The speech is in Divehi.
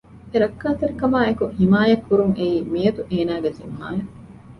އެ ރައްކަތެރިކަމާއެކު ހިމާޔަތް ކުރުން އެއީ މިއަދު އޭނާގެ ޒިންމާއެއް